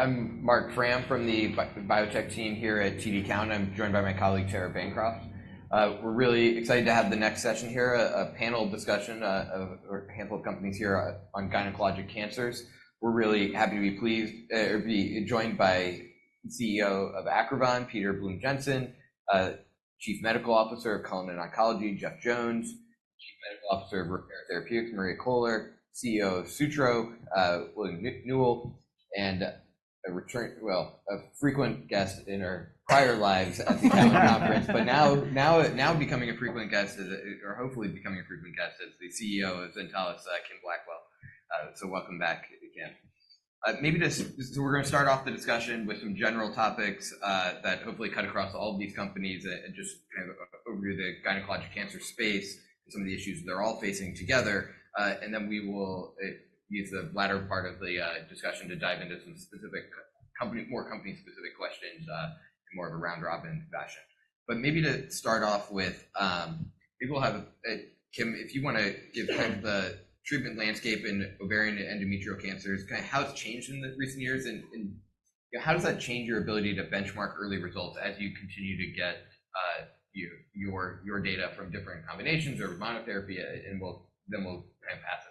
I'm Marc Frahm from the biotech team here at TD Cowen. I'm joined by my colleague, Tara Bancroft. We're really excited to have the next session here, a panel discussion of a handful of companies here on gynecologic cancers. We're really happy to be joined by CEO of Acrivon, Peter Blume-Jensen, Chief Medical Officer of Cullinan Oncology, Jeff Jones, Chief Medical Officer of Repare Therapeutics, Maria Koehler, CEO of Sutro, William Newell, and a return—well, a frequent guest in our prior lives at the conference, but now becoming a frequent guest, or hopefully becoming a frequent guest, as the CEO of Zentalis, Kim Blackwell. So welcome back again. So we're gonna start off the discussion with some general topics that hopefully cut across all of these companies and, and just kind of over the gynecologic cancer space and some of the issues they're all facing together. And then we will use the latter part of the discussion to dive into some specific company-specific questions, more of a round-robin fashion. But maybe to start off with, people have... Kim, if you wanna give kind of the treatment landscape in ovarian and endometrial cancers, kind of how it's changed in the recent years, and, and how does that change your ability to benchmark early results as you continue to get your, your, your data from different combinations or monotherapy? And we'll then we'll kind of pass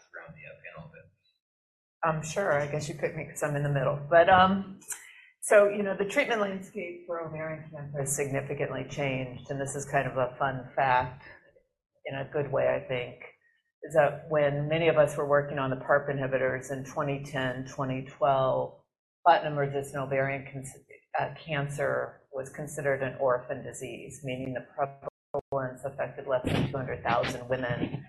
this around the panel a bit. Sure. I guess you picked me 'cause I'm in the middle. But, so, you know, the treatment landscape for ovarian cancer has significantly changed, and this is kind of a fun fact, in a good way, I think, is that when many of us were working on the PARP inhibitors in 2010, 2012, platinum-resistant ovarian cancer was considered an orphan disease, meaning the prevalence affected less than 200,000 women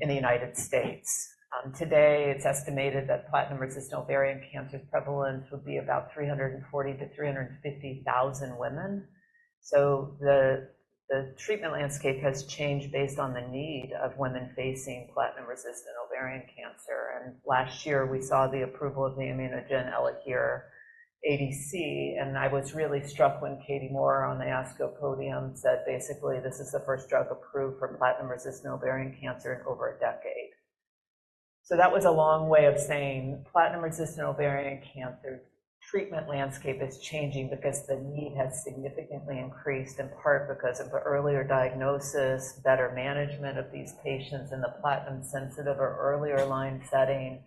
in the United States. Today, it's estimated that platinum-resistant ovarian cancer prevalence would be about 340,000-350,000 women. So the treatment landscape has changed based on the need of women facing platinum-resistant ovarian cancer, and last year, we saw the approval of the ImmunoGen Elahere ADC, and I was really struck when Katie Moore on the ASCO podium said, basically, this is the first drug approved for platinum-resistant ovarian cancer in over a decade. So that was a long way of saying platinum-resistant ovarian cancer treatment landscape is changing because the need has significantly increased, in part because of earlier diagnosis, better management of these patients in the platinum-sensitive or earlier line setting.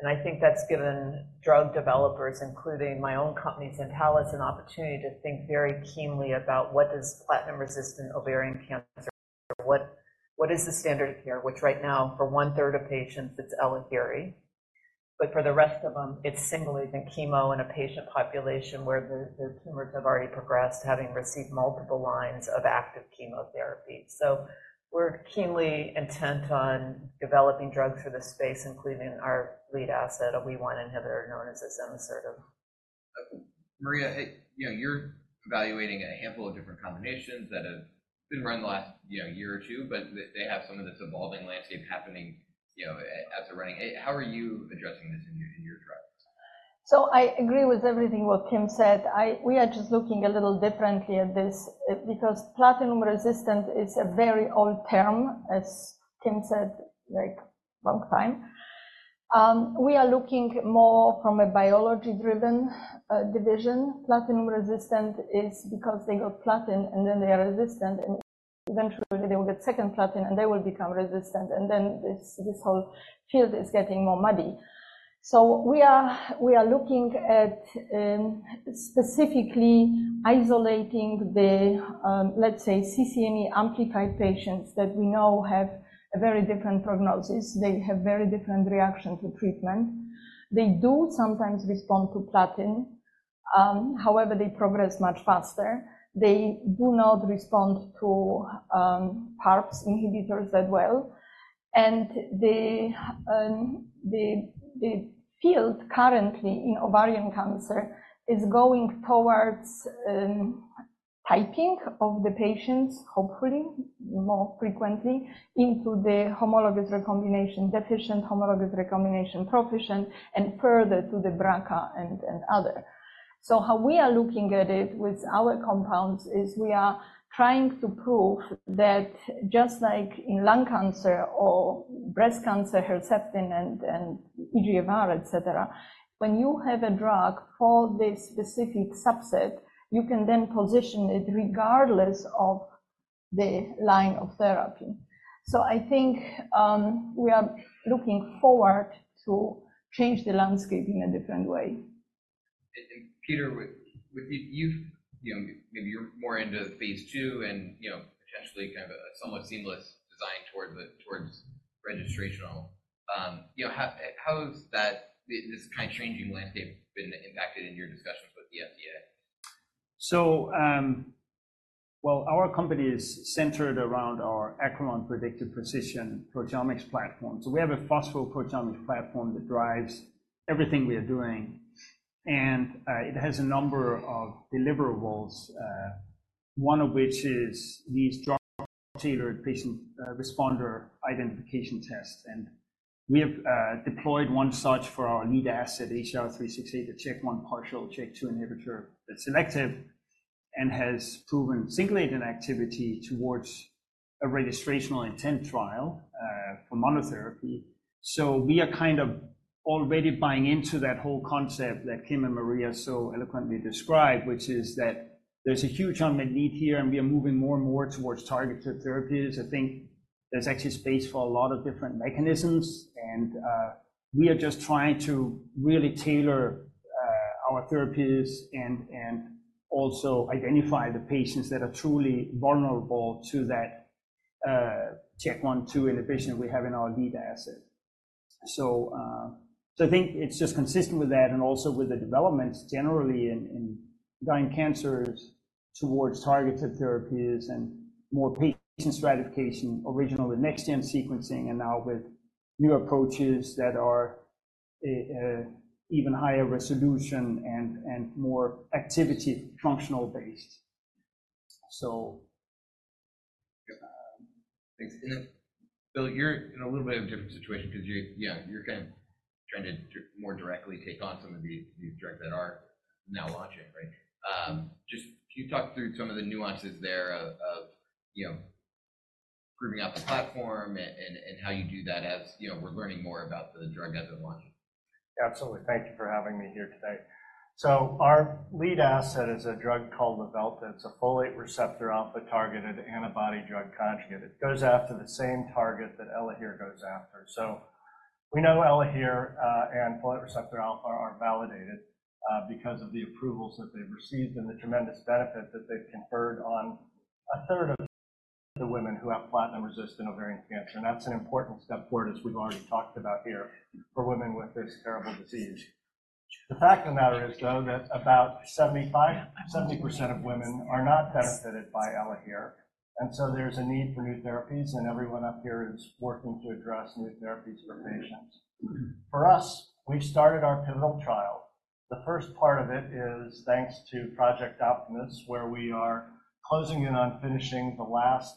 And I think that's given drug developers, including my own company, Zentalis, an opportunity to think very keenly about what is platinum-resistant ovarian cancer. What is the standard of care? Which right now, for one-third of patients, it's Elahere, but for the rest of them, it's simply been chemo in a patient population where the, the tumors have already progressed, having received multiple lines of active chemotherapy. So we're keenly intent on developing drugs for this space, including our lead asset, a WEE1 inhibitor known as azenosertib. Maria, you know, you're evaluating a handful of different combinations that have been run in the last, you know, year or two, but they, they have some of this evolving landscape happening, you know, as they're running. How are you addressing this in your, in your trials? So I agree with everything what Kim said. We are just looking a little differently at this, because platinum resistant is a very old term, as Kim said, like, long time. We are looking more from a biology-driven, division. Platinum resistant is because they got platinum, and then they are resistant, and eventually, they will get second platinum, and they will become resistant, and then this, this whole field is getting more muddy. So we are looking at, specifically isolating the, let's say, CCNE-amplified patients that we know have a very different prognosis. They have very different reaction to treatment. They do sometimes respond to platinum. However, they progress much faster. They do not respond to, PARP inhibitors as well. The field currently in ovarian cancer is going towards typing of the patients, hopefully more frequently, into the homologous recombination-deficient, homologous recombination proficient, and further to the BRCA and other. So how we are looking at it with our compounds is we are trying to prove that just like in lung cancer or breast cancer, Herceptin and EGFR, et cetera, when you have a drug for this specific subset, you can then position it regardless of the line of therapy. So I think we are looking forward to change the landscape in a different way. And, Peter, with you, you know, maybe you're more into Phase II and, you know, potentially kind of a somewhat seamless design towards registrational. You know, how has this kind of changing landscape been impacted in your discussions with the FDA? Well, our company is centered around our Acrivon Predictive Precision Proteomics platform. We have a phospho-proteomics platform that drives everything we are doing, and it has a number of deliverables, one of which is these drug-tailored patient responder identification tests. We have deployed one such for our lead asset, ACR-368, a CHK1, partial CHK2 inhibitor that's selective.... and has proven single-agent activity towards a registrational intent trial for monotherapy. So we are kind of already buying into that whole concept that Kim and Maria so eloquently described, which is that there's a huge unmet need here, and we are moving more and more towards targeted therapies. I think there's actually space for a lot of different mechanisms, and we are just trying to really tailor our therapies and also identify the patients that are truly vulnerable to that CHK1, CHK2 inhibition we have in our lead asset. So I think it's just consistent with that and also with the developments generally in gynecologic cancers towards targeted therapies and more patient stratification, originally next-gen sequencing, and now with new approaches that are even higher resolution and more activity, functional based. So- Thanks. Bill, you're in a little bit of a different situation because you, yeah, you're kinda trying to more directly take on some of the drugs that are now launching, right? Just can you talk through some of the nuances there of you know, proving out the platform and how you do that, as you know, we're learning more about the drug as it launches. Absolutely. Thank you for having me here today. Our lead asset is a drug called Luvelta. It's a folate receptor alpha-targeted antibody drug conjugate. It goes after the same target that Elahere goes after. We know Elahere and folate receptor alpha are validated because of the approvals that they've received and the tremendous benefit that they've conferred on a third of the women who have platinum-resistant ovarian cancer. That's an important step forward, as we've already talked about here, for women with this terrible disease. The fact of the matter is, though, that about 75, 70% of women are not benefited by Elahere, and so there's a need for new therapies, and everyone up here is working to address new therapies for patients. For us, we've started our pivotal trial. The first part of it is thanks to Project Optimus, where we are closing in on finishing the last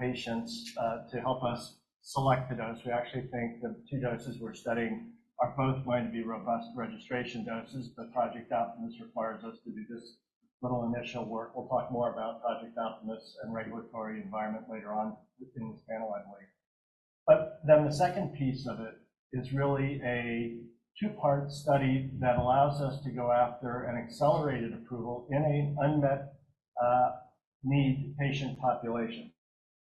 patients to help us select the dose. We actually think the two doses we're studying are both going to be robust registration doses, but Project Optimus requires us to do this little initial work. We'll talk more about Project Optimus and regulatory environment later on in this panel, by the way. But then the second piece of it is really a two-part study that allows us to go after an accelerated approval in an unmet need patient population.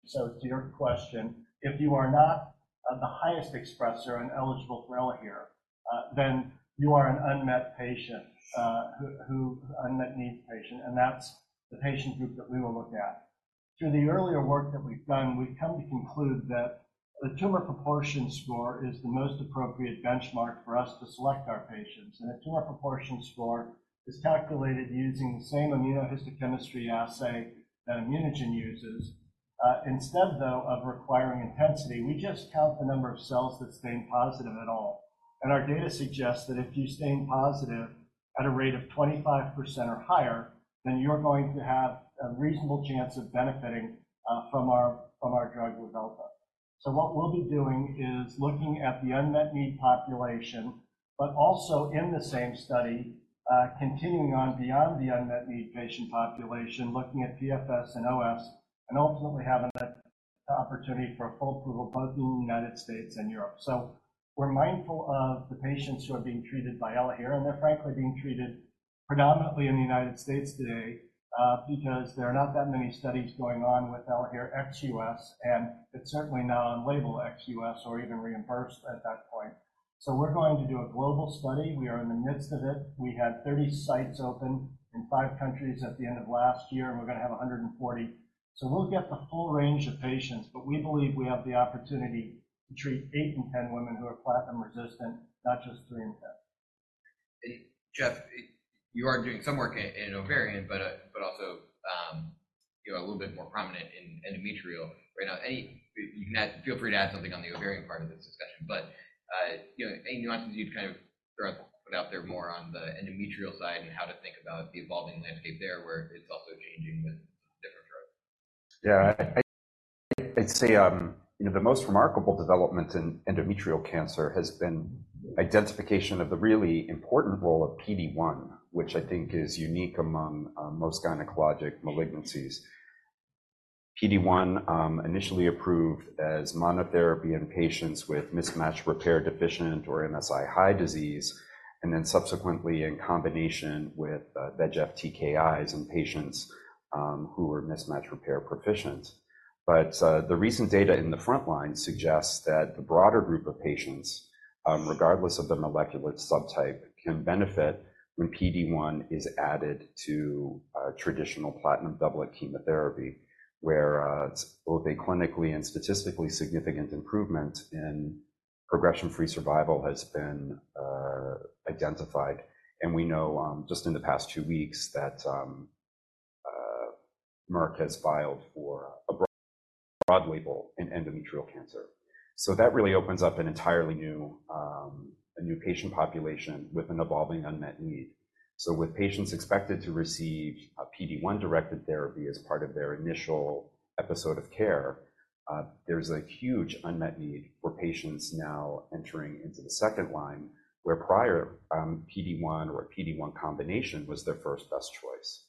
So to your question, if you are not of the highest expressor and eligible for Elahere, then you are an unmet patient, unmet need patient, and that's the patient group that we will look at. Through the earlier work that we've done, we've come to conclude that the tumor proportion score is the most appropriate benchmark for us to select our patients. A tumor proportion score is calculated using the same immunohistochemistry assay that ImmunoGen uses. Instead, though, of requiring intensity, we just count the number of cells that stain positive at all. Our data suggests that if you stain positive at a rate of 25% or higher, then you're going to have a reasonable chance of benefiting from our drug Luvelta. So what we'll be doing is looking at the unmet need population, but also in the same study, continuing on beyond the unmet need patient population, looking at PFS and OS, and ultimately having that opportunity for full approval both in the United States and Europe. So we're mindful of the patients who are being treated by Elahere, and they're frankly being treated predominantly in the United States today, because there are not that many studies going on with Elahere ex U.S., and it's certainly not on label ex U.S. or even reimbursed at that point. So we're going to do a global study. We are in the midst of it. We had 30 sites open in five countries at the end of last year, and we're gonna have 140. So we'll get the full range of patients, but we believe we have the opportunity to treat eight in 10 women who are platinum resistant, not just three in 10. Jeff, you are doing some work in ovarian, but also, you know, a little bit more prominent in endometrial right now. You can feel free to add something on the ovarian part of this discussion, but, you know, any nuances you'd kind of put out there more on the endometrial side and how to think about the evolving landscape there, where it's also changing with different drugs? Yeah, I'd say, you know, the most remarkable development in endometrial cancer has been identification of the really important role of PD-1, which I think is unique among most gynecologic malignancies. PD-1 initially approved as monotherapy in patients with mismatch repair deficient or MSI high disease, and then subsequently in combination with VEGF-TKIs in patients who were mismatch repair proficient. But the recent data in the frontline suggests that the broader group of patients, regardless of the molecular subtype, can benefit when PD-1 is added to traditional platinum doublet chemotherapy, where both a clinically and statistically significant improvement in progression-free survival has been identified. And we know just in the past two weeks that Merck has filed for a broad label in endometrial cancer. So that really opens up an entirely new, a new patient population with an evolving unmet need. So with patients expected to receive a PD-1-directed therapy as part of their initial episode of care, there's a huge unmet need for patients now entering into the second line, where prior, PD-1 or a PD-1 combination was their first best choice....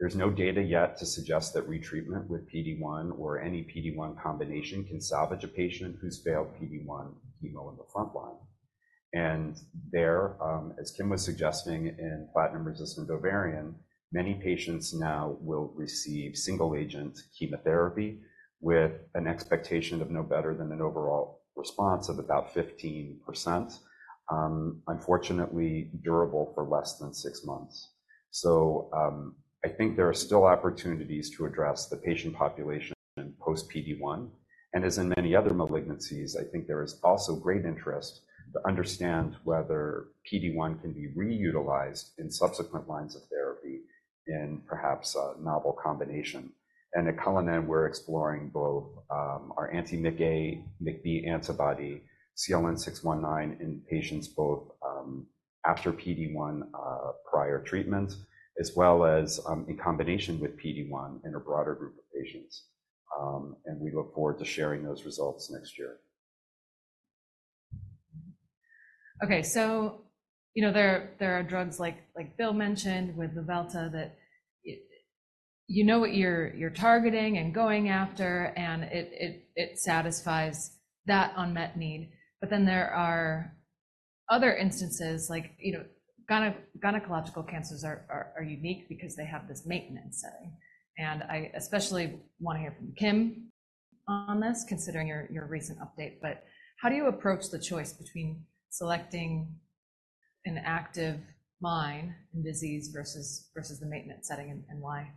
There's no data yet to suggest that retreatment with PD-1 or any PD-1 combination can salvage a patient who's failed PD-1 chemo in the frontline. And there, as Kim was suggesting in platinum-resistant ovarian, many patients now will receive single-agent chemotherapy with an expectation of no better than an overall response of about 15%. Unfortunately, durable for less than six months. So, I think there are still opportunities to address the patient population in post-PD-1, and as in many other malignancies, I think there is also great interest to understand whether PD-1 can be reutilized in subsequent lines of therapy in perhaps a novel combination. And at Cullinan, we're exploring both, our anti-MICA, MICB antibody, CLN-619, in patients both, after PD-1, prior treatment, as well as, in combination with PD-1 in a broader group of patients. And we look forward to sharing those results next year. Okay, so, you know, there are drugs like, like Bill mentioned, with Luvelta, that—you know what you're targeting and going after, and it satisfies that unmet need. But then there are other instances like, you know, gynecological cancers are unique because they have this maintenance setting. And I especially want to hear from Kim on this, considering your recent update. But how do you approach the choice between selecting an active line in disease versus the maintenance setting and why?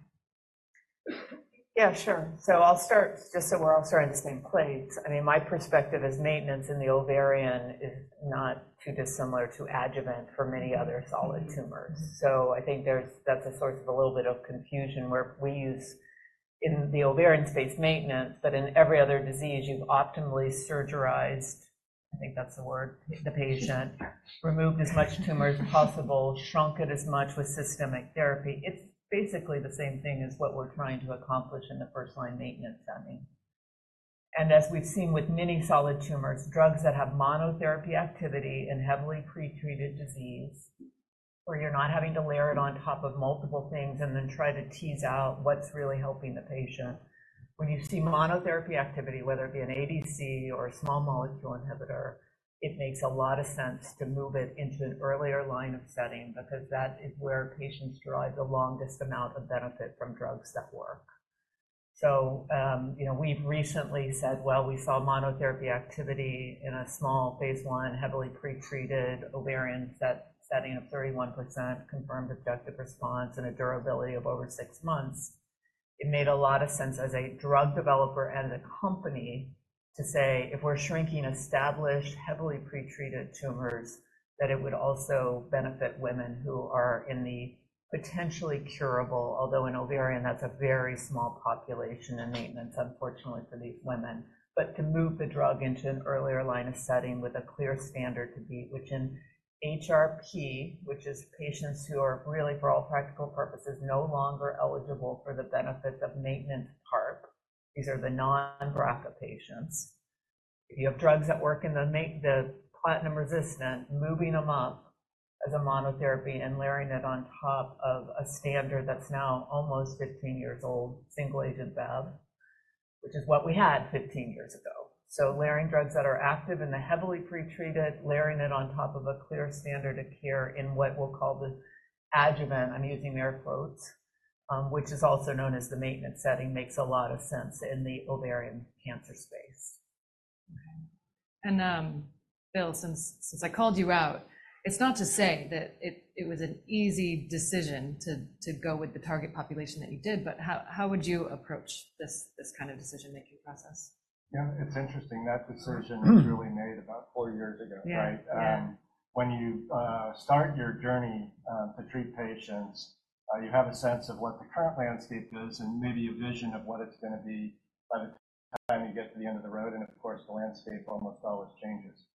Yeah, sure. So I'll start, just so we're all starting on the same page. I mean, my perspective is maintenance in the ovarian is not too dissimilar to adjuvant for many other solid tumors. So I think there's, that's a source of a little bit of confusion, where we use in the ovarian space, maintenance, but in every other disease, you've optimally surgerized, I think that's the word, the patient, removed as much tumor as possible, shrunk it as much with systemic therapy. It's basically the same thing as what we're trying to accomplish in the first-line maintenance setting. And as we've seen with many solid tumors, drugs that have monotherapy activity in heavily pretreated disease, where you're not having to layer it on top of multiple things and then try to tease out what's really helping the patient. When you see monotherapy activity, whether it be an ADC or a small molecule inhibitor, it makes a lot of sense to move it into an earlier line of setting because that is where patients derive the longest amount of benefit from drugs that work. So, you know, we've recently said, well, we saw monotherapy activity in a small phase I, heavily pretreated ovarian setting of 31%, confirmed objective response and a durability of over 6 months. It made a lot of sense as a drug developer and a company to say, if we're shrinking established, heavily pretreated tumors, that it would also benefit women who are in the potentially curable. Although in ovarian, that's a very small population in maintenance, unfortunately for these women. But to move the drug into an earlier line of setting with a clear standard to beat, which in HRP, which is patients who are really, for all practical purposes, no longer eligible for the benefits of maintenance PARP. These are the non-BRCA patients. You have drugs that work in the platinum resistant, moving them up as a monotherapy and layering it on top of a standard that's now almost 15 years old, single-agent bev, which is what we had 15 years ago. So layering drugs that are active in the heavily pretreated, layering it on top of a clear standard of care in what we'll call the adjuvant, I'm using air quotes, which is also known as the maintenance setting, makes a lot of sense in the ovarian cancer space. Okay. And, Bill, since I called you out, it's not to say that it was an easy decision to go with the target population that you did, but how would you approach this kind of decision-making process? Yeah, it's interesting. That decision was really made about four years ago, right? Yeah. Yeah. When you start your journey to treat patients, you have a sense of what the current landscape is and maybe a vision of what it's gonna be by the time you get to the end of the road, and of course, the landscape almost always changes.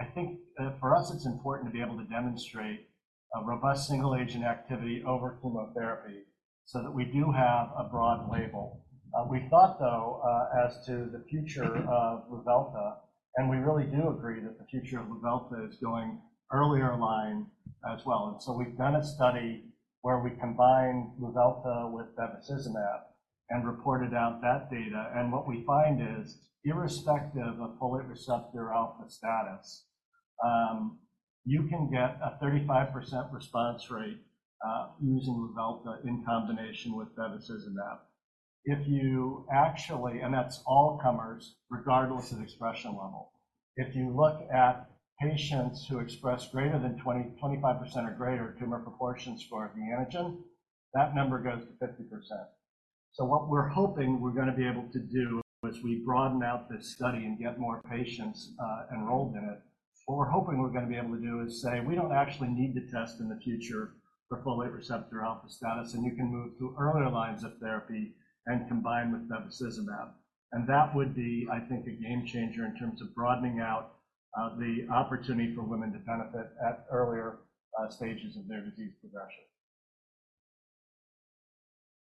I think, for us, it's important to be able to demonstrate a robust single-agent activity over chemotherapy so that we do have a broad label. We thought, though, as to the future of Luvelta, and we really do agree that the future of Luvelta is going earlier line as well. And so we've done a study where we combined Luvelta with bevacizumab and reported out that data. And what we find is, irrespective of folate receptor alpha status, you can get a 35% response rate, using Luvelta in combination with bevacizumab. If you actually—and that's all comers, regardless of expression level. If you look at patients who express greater than 25% or greater tumor proportion score of the antigen, that number goes to 50%. So what we're hoping we're gonna be able to do, as we broaden out this study and get more patients enrolled in it, what we're hoping we're gonna be able to do is say: "We don't actually need to test in the future for folate receptor alpha status, and you can move to earlier lines of therapy and combine with bevacizumab." And that would be, I think, a game-changer in terms of broadening out the opportunity for women to benefit at earlier stages of their disease progression....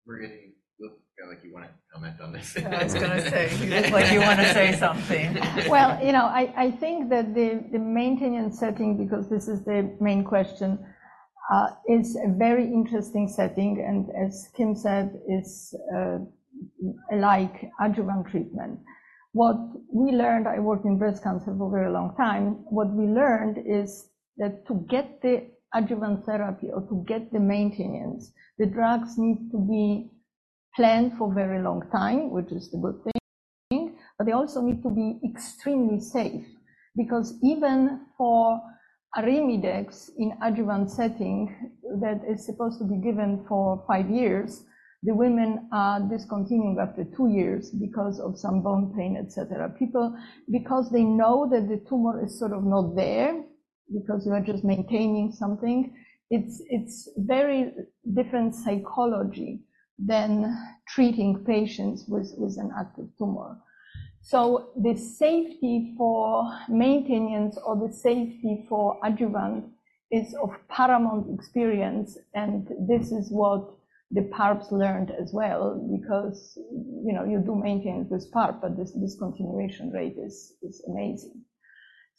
We're getting. Looks like you wanna comment on this. I was gonna say, like, you wanna say something. Well, you know, I think that the maintenance setting, because this is the main question, is a very interesting setting, and as Kim said, it's like adjuvant treatment. What we learned—I worked in breast cancer for a very long time. What we learned is that to get the adjuvant therapy or to get the maintenance, the drugs need to be planned for very long time, which is a good thing, but they also need to be extremely safe. Because even for Arimidex in adjuvant setting, that is supposed to be given for five years, the women are discontinuing after two years because of some bone pain, et cetera. People, because they know that the tumor is sort of not there, because you are just maintaining something, it's very different psychology than treating patients with an active tumor. So the safety for maintenance or the safety for adjuvant is of paramount experience, and this is what the PARPs learned as well, because, you know, you do maintain this PARP, but this continuation rate is amazing.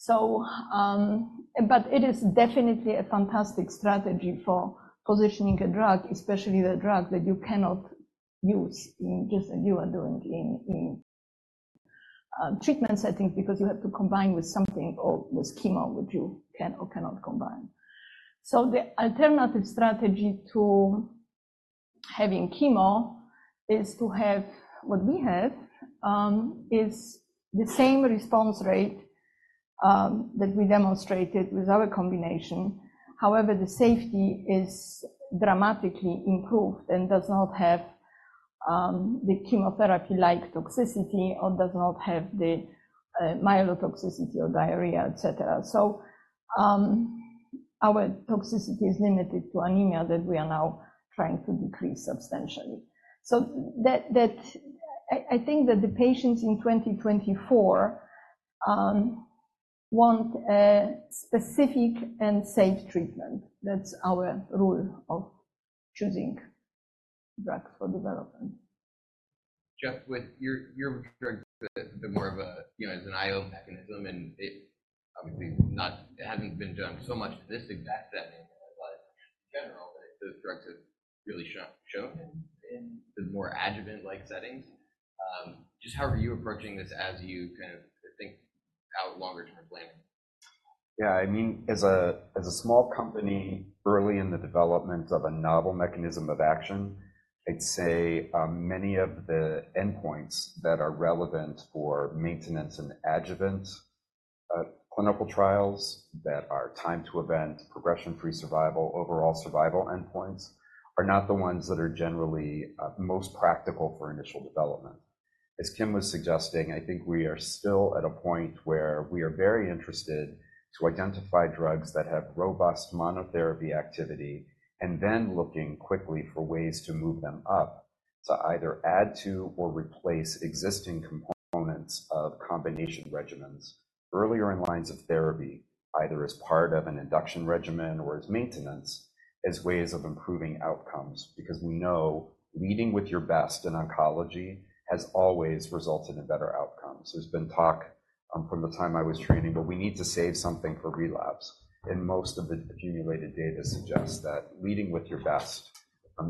But it is definitely a fantastic strategy for positioning a drug, especially a drug that you cannot use in just as you are doing in treatment setting, because you have to combine with something or with chemo, which you can or cannot combine. So the alternative strategy to having chemo is to have what we have is the same response rate that we demonstrated with our combination. However, the safety is dramatically improved and does not have the chemotherapy-like toxicity or does not have the myelotoxicity or diarrhea, et cetera. Our toxicity is limited to anemia, that we are now trying to decrease substantially. I think that the patients in 2024 want a specific and safe treatment. That's our rule of choosing drugs for development. Just with your drug, a bit more of a, you know, as an IO mechanism, and it obviously hasn't been done so much in this exact setting, but in general, those drugs have really shown in the more adjuvant-like settings. Just how are you approaching this as you kind of think out longer-term planning? Yeah, I mean, as a, as a small company early in the development of a novel mechanism of action, I'd say, many of the endpoints that are relevant for maintenance and adjuvant, clinical trials that are time to event, progression-free survival, overall survival endpoints, are not the ones that are generally, most practical for initial development. As Kim was suggesting, I think we are still at a point where we are very interested to identify drugs that have robust monotherapy activity, and then looking quickly for ways to move them up to either add to or replace existing components of combination regimens. Earlier in lines of therapy, either as part of an induction regimen or as maintenance, as ways of improving outcomes, because we know leading with your best in oncology has always resulted in better outcomes. There's been talk from the time I was training, but we need to save something for relapse, and most of the accumulated data suggests that leading with your best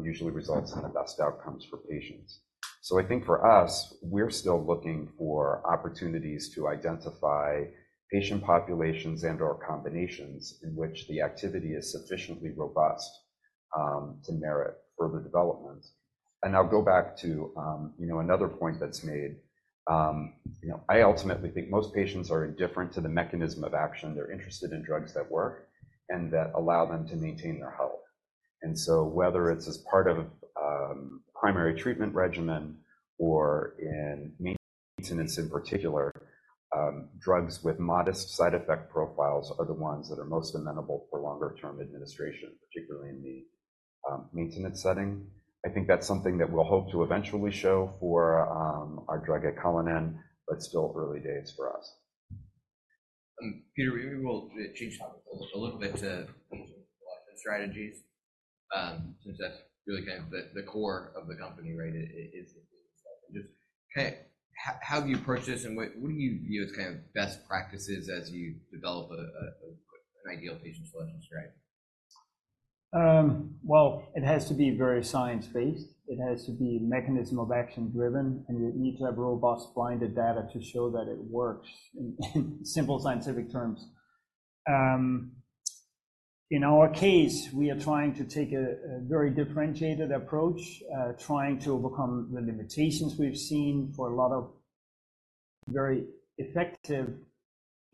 usually results in the best outcomes for patients. So I think for us, we're still looking for opportunities to identify patient populations and/or combinations in which the activity is sufficiently robust to merit further development. And I'll go back to you know, another point that's made. You know, I ultimately think most patients are indifferent to the mechanism of action. They're interested in drugs that work and that allow them to maintain their health. And so whether it's as part of primary treatment regimen or in maintenance in particular, drugs with modest side effect profiles are the ones that are most amenable for longer-term administration, particularly in the maintenance setting. I think that's something that we'll hope to eventually show for our drug azenosertib, but still early days for us. Peter, we will change topic a little bit to selection strategies, since that's really kind of the core of the company, right? It is. Okay, how do you approach this, and what do you view as kind of best practices as you develop an ideal patient selection strategy? Well, it has to be very science-based. It has to be mechanism of action driven, and you need to have robust blinded data to show that it works in simple scientific terms. In our case, we are trying to take a very differentiated approach, trying to overcome the limitations we've seen for a lot of very effective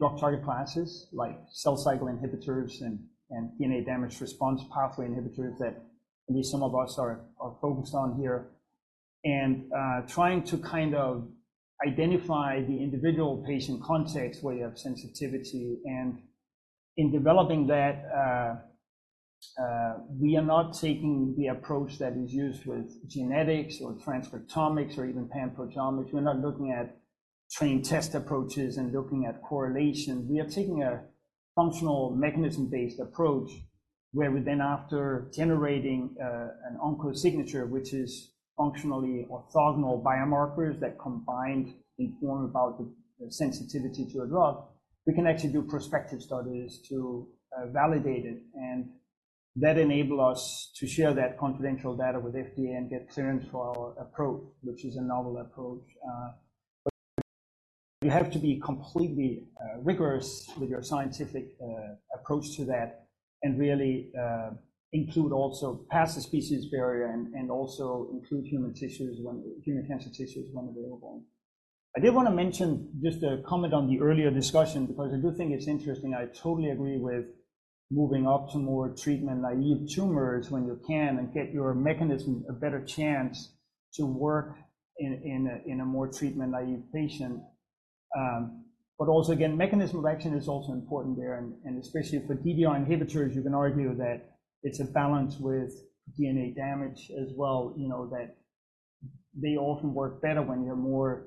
drug target classes, like cell cycle inhibitors and DNA damage response pathway inhibitors, that at least some of us are focused on here. And trying to kind of identify the individual patient context, where you have sensitivity. And in developing that, we are not taking the approach that is used with genetics or transcriptomics or even proteomics. We're not looking at-... train-test approaches and looking at correlation, we are taking a functional mechanism-based approach, where we then, after generating, an OncoSignature, which is functionally orthogonal biomarkers that combined inform about the sensitivity to a drug, we can actually do prospective studies to validate it. And that enable us to share that confidential data with FDA and get clearance for our approach, which is a novel approach. But you have to be completely rigorous with your scientific approach to that and really include also pass the species barrier and also include human tissues when human cancer tissues, when available. I did wanna mention just a comment on the earlier discussion, because I do think it's interesting. I totally agree with moving up to more treatment-naive tumors when you can and get your mechanism a better chance to work in a more treatment-naive patient. But also, again, mechanism of action is also important there. And especially for DDR inhibitors, you can argue that it's a balance with DNA damage as well, you know, that they often work better when you're more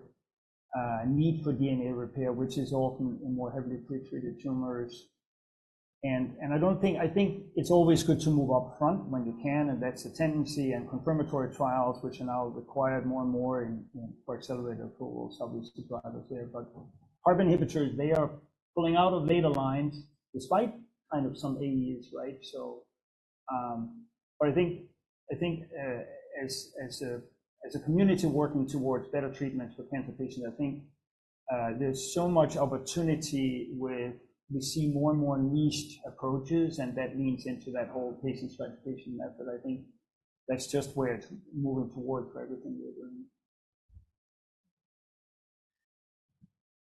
need for DNA repair, which is often in more heavily pretreated tumors. And I think it's always good to move up front when you can, and that's a tendency. And confirmatory trials, which are now required more and more in for accelerated approvals, obviously, drivers there. But PARP inhibitors, they are pulling out of data lines despite kind of some ADEs, right? But I think, as a community working towards better treatments for cancer patients, I think, there's so much opportunity where we see more and more niched approaches, and that leans into that whole patient stratification method. I think that's just where it's moving forward for everything we are doing.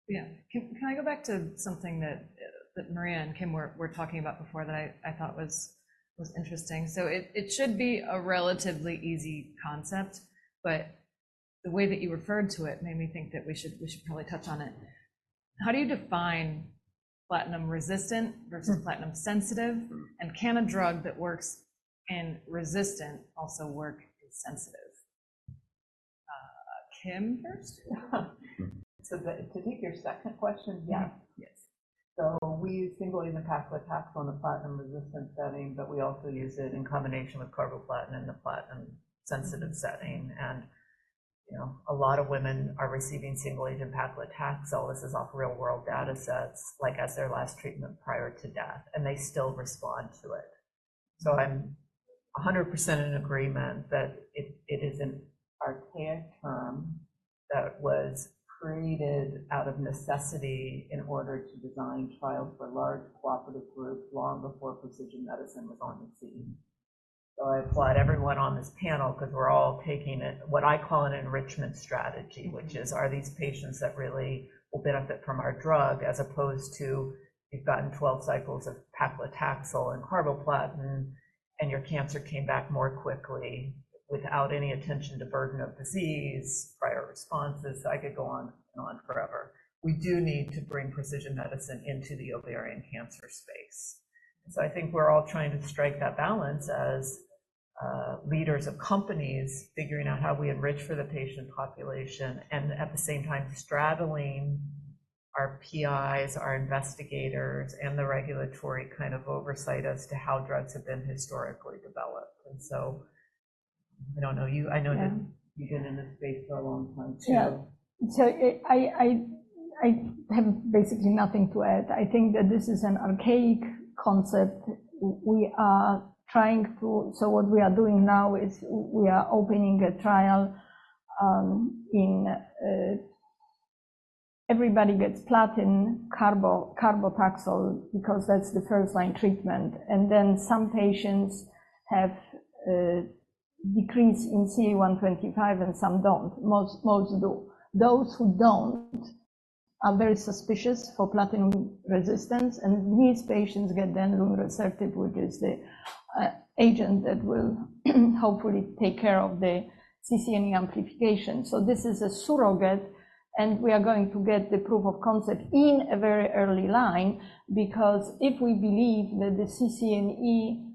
Yeah. Can I go back to something that that Maria and Kim were talking about before that I thought was interesting? So it should be a relatively easy concept, but the way that you referred to it made me think that we should probably touch on it. How do you define platinum-resistant versus platinum-sensitive? And can a drug that works in resistant also work in sensitive? Kim, first. So, to take your second question? Yeah. Yes. So we use single-agent paclitaxel in the platinum-resistant setting, but we also use it in combination with carboplatin in the platinum-sensitive setting. And, you know, a lot of women are receiving single-agent paclitaxel. This is off real-world data sets, like as their last treatment prior to death, and they still respond to it. So I'm 100% in agreement that it, it is an archaic term that was created out of necessity in order to design trials for large cooperative groups long before precision medicine was on the scene. So I applaud everyone on this panel because we're all taking it, what I call an enrichment strategy, which is: Are these patients that really will benefit from our drug, as opposed to you've gotten 12 cycles of paclitaxel and carboplatin, and your cancer came back more quickly without any attention to burden of disease, prior responses? I could go on and on forever. We do need to bring precision medicine into the ovarian cancer space. So I think we're all trying to strike that balance as leaders of companies, figuring out how we enrich for the patient population and at the same time straddling our PIs, our investigators, and the regulatory kind of oversight as to how drugs have been historically developed. And so I don't know you-- I know- Yeah. You've been in this space for a long time, too. Yeah. So I have basically nothing to add. I think that this is an archaic concept. We are trying to-- So what we are doing now is we are opening a trial, in everybody gets platinum carboplatin, because that's the first-line treatment. And then some patients have decrease in CA-125, and some don't. Most do. Those who don't are very suspicious for platinum resistance, and these patients get then rucaparib, which is the agent that will hopefully take care of the CCNE amplification. So this is a surrogate, and we are going to get the proof of concept in a very early line, because if we believe that the CCNE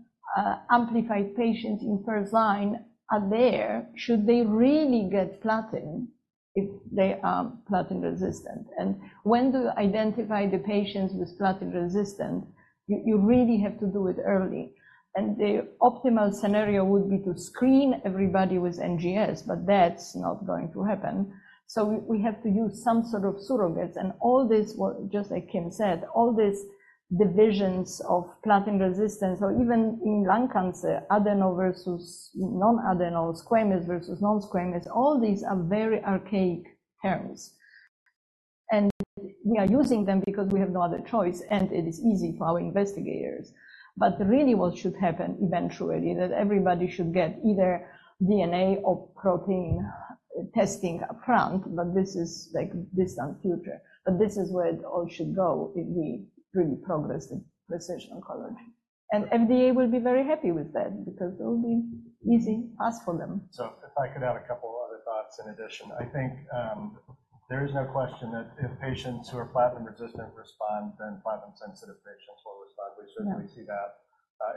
amplified patients in first line are there, should they really get platinum if they are platinum resistant? And when do you identify the patients with platinum resistant, you really have to do it early. And the optimal scenario would be to screen everybody with NGS, but that's not going to happen. So we have to use some sort of surrogates. And all this, well, just like Kim said, all these divisions of platinum resistance or even in lung cancer, adenocarcinoma versus non-adenocarcinoma, squamous versus non-squamous, all these are very archaic terms. And we are using them because we have no other choice, and it is easy for our investigators. But really, what should happen eventually, that everybody should get either DNA or protein testing up front, but this is like distant future, but this is where it all should go if we really progress in precision oncology. And FDA will be very happy with that because it'll be easy ask for them. So if I could add a couple of other thoughts in addition. I think, there is no question that if patients who are platinum resistant respond, then platinum-sensitive patients will respond. Yeah. We certainly see that....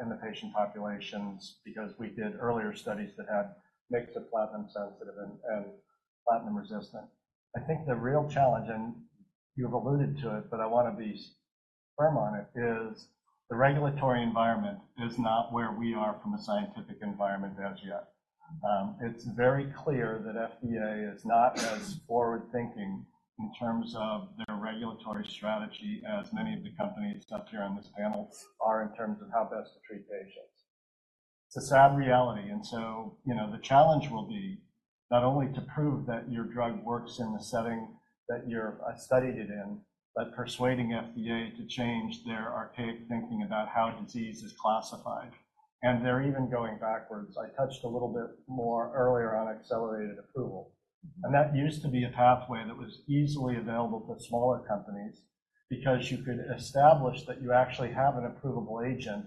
in the patient populations, because we did earlier studies that had mixed with platinum sensitive and platinum resistant. I think the real challenge, and you've alluded to it, but I want to be firm on it, is the regulatory environment is not where we are from a scientific environment as yet. It's very clear that FDA is not as forward-thinking in terms of their regulatory strategy as many of the companies up here on this panel are in terms of how best to treat patients. It's a sad reality, and so, you know, the challenge will be not only to prove that your drug works in the setting that you're studied it in, but persuading FDA to change their archaic thinking about how disease is classified. They're even going backwards. I touched a little bit more earlier on accelerated approval, and that used to be a pathway that was easily available to smaller companies because you could establish that you actually have an approvable agent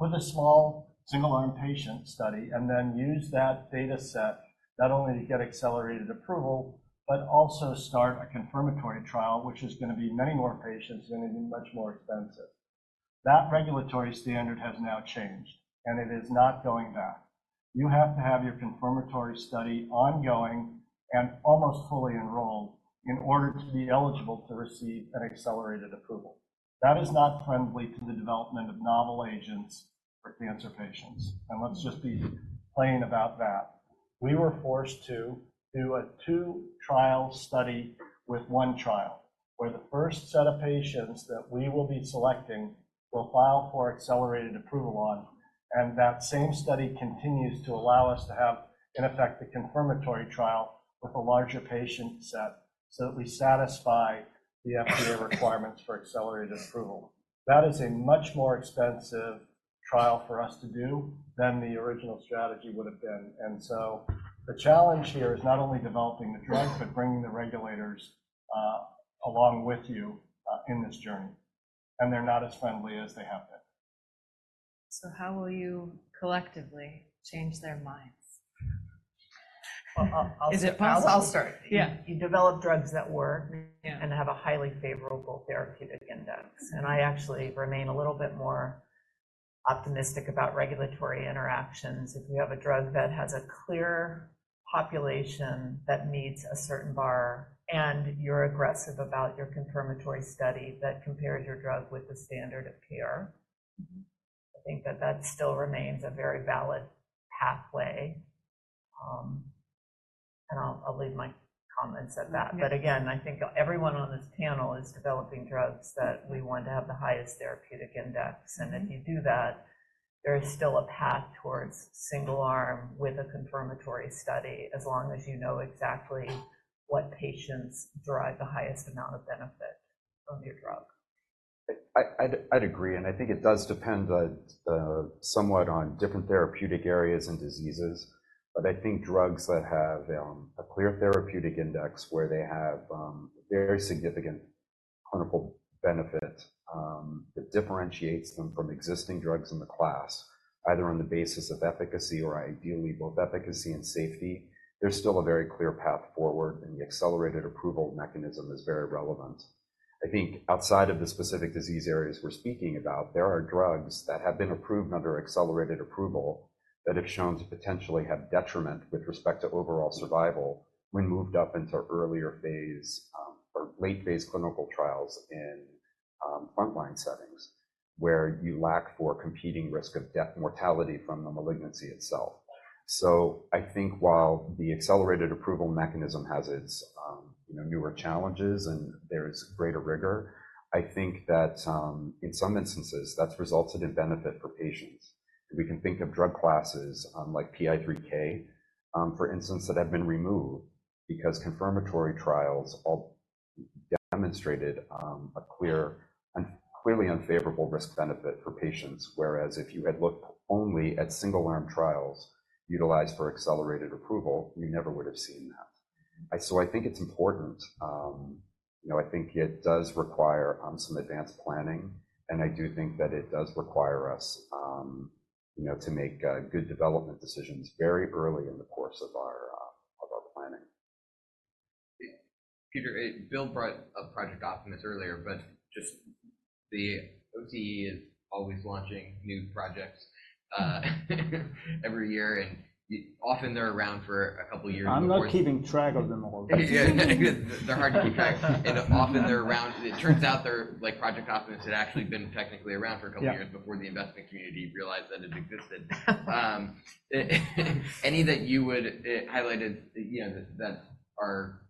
with a small single-arm patient study, and then use that data set not only to get accelerated approval, but also start a confirmatory trial, which is going to be many more patients and it is much more expensive. That regulatory standard has now changed, and it is not going back. You have to have your confirmatory study ongoing and almost fully enrolled in order to be eligible to receive an accelerated approval. That is not friendly to the development of novel agents for cancer patients, and let's just be plain about that. We were forced to do a two-trial study with one trial, where the first set of patients that we will be selecting will file for accelerated approval on, and that same study continues to allow us to have, in effect, a confirmatory trial with a larger patient set, so that we satisfy the FDA requirements for accelerated approval. That is a much more expensive trial for us to do than the original strategy would have been. And so the challenge here is not only developing the drug, but bringing the regulators along with you in this journey, and they're not as friendly as they have been. So how will you collectively change their minds? Well, I'll- Is it possible? I'll start. Yeah. You develop drugs that work- Yeah... and have a highly favorable therapeutic index. I actually remain a little bit more optimistic about regulatory interactions. If you have a drug that has a clear population that meets a certain bar, and you're aggressive about your confirmatory study that compares your drug with the standard of care, I think that that still remains a very valid pathway. And I'll leave my comments at that. Again, I think everyone on this panel is developing drugs that we want to have the highest therapeutic index, and if you do that, there is still a path towards single arm with a confirmatory study, as long as you know exactly what patients derive the highest amount of benefit from your drug. I'd agree, and I think it does depend on somewhat on different therapeutic areas and diseases. But I think drugs that have a clear therapeutic index, where they have very significant clinical benefit that differentiates them from existing drugs in the class, either on the basis of efficacy or ideally both efficacy and safety, there's still a very clear path forward, and the accelerated approval mechanism is very relevant. I think outside of the specific disease areas we're speaking about, there are drugs that have been approved under accelerated approval that have shown to potentially have detriment with respect to overall survival when moved up into earlier phase or late-phase clinical trials in frontline settings, where you lack for competing risk of death, mortality from the malignancy itself. So I think while the accelerated approval mechanism has its, you know, newer challenges and there is greater rigor, I think that, in some instances, that's resulted in benefit for patients. We can think of drug classes, like PI3K, for instance, that have been removed because confirmatory trials all demonstrated, a clear and clearly unfavorable risk-benefit for patients. Whereas if you had looked only at single-arm trials utilized for accelerated approval, you never would have seen that. So I think it's important, you know, I think it does require, some advanced planning, and I do think that it does require us, you know, to make, good development decisions very early in the course of our, of our planning. Peter, Bill brought up Project Optimus earlier, but just the OCE is always launching new projects, every year, and often they're around for a couple of years. I'm not keeping track of them all. Yeah. They're hard to keep track. And often they're around... It turns out they're like Project Optimus had actually been technically around for a couple years- Yeah before the investment community realized that it existed. Any that you would highlighted, you know, that are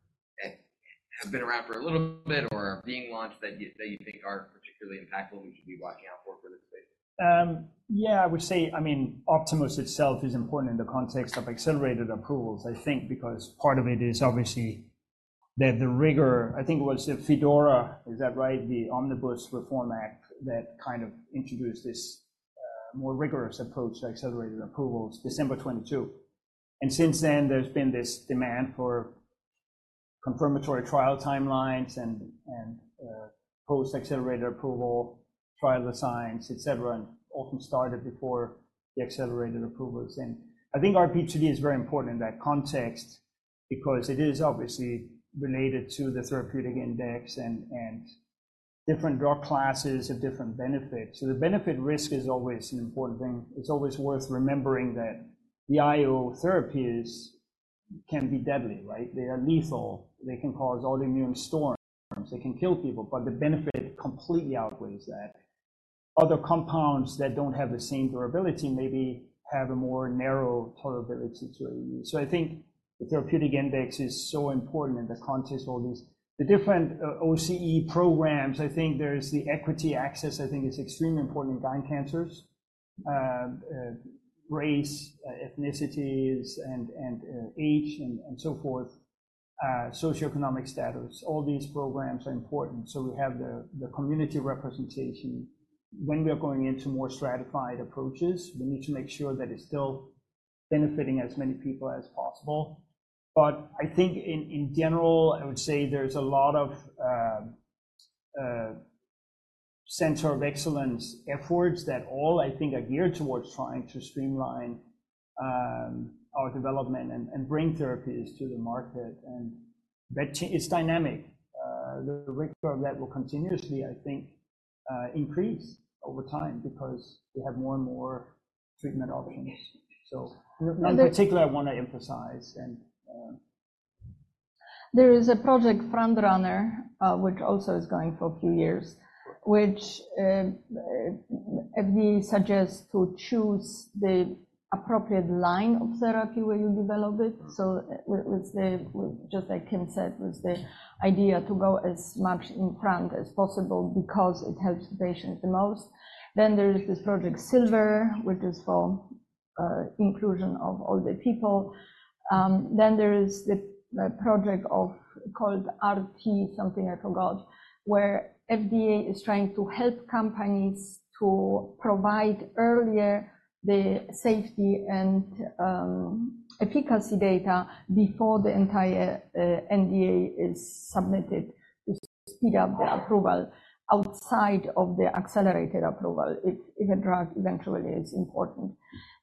have been around for a little bit or are being launched that you, that you think are particularly impactful, and we should be watching out for, for this space? Yeah, I would say, I mean, Optimus itself is important in the context of accelerated approvals, I think because part of it is obviously that the rigor, I think it was the FDA, is that right? The Omnibus Reform Act, that kind of introduced this, more rigorous approach to accelerated approvals, December 2022. And since then, there's been this demand for confirmatory trial timelines and post-accelerated approval trial designs, et cetera, and often started before the accelerated approvals. And I think RP2D is very important in that context because it is obviously related to the therapeutic index, and different drug classes have different benefits. So the benefit risk is always an important thing. It's always worth remembering that the IO therapies can be deadly, right? They are lethal. They can cause autoimmune storms. They can kill people, but the benefit completely outweighs that. Other compounds that don't have the same durability maybe have a more narrow tolerability to use. So I think the therapeutic index is so important in the context of all these. The different OCE programs, I think there's the equity access, I think is extremely important in lung cancers. race, ethnicities, and age, and so forth, socioeconomic status, all these programs are important. So we have the community representation. When we are going into more stratified approaches, we need to make sure that it's still benefiting as many people as possible. But I think in general, I would say there's a lot of center of excellence efforts that all, I think, are geared towards trying to streamline our development and bring therapies to the market, and that it's dynamic. The rigor of that will continuously, I think, increase over time because we have more and more treatment options. So- And- In particular, I wanna emphasize and, There is a project, Project FrontRunner, which also is going for a few years, which we suggest to choose the appropriate line of therapy where you develop it. So let's say, just like Kim said, was the idea to go as much in front as possible because it helps the patient the most. Then there is this project, Project Silver, which is for inclusion of all the people. Then there is the project called RTOR, something I forgot, where FDA is trying to help companies to provide earlier the safety and efficacy data before the entire NDA is submitted, to speed up the approval outside of the accelerated approval if a drug eventually is important.